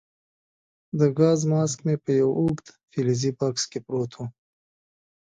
د ګاز ماسک مې په یو اوږد فلزي بکس کې پروت وو.